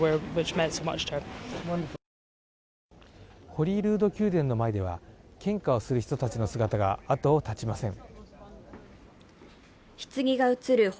ホリールード宮殿の前では献花をする人の姿が後を絶ちません。